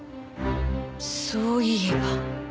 そういえば。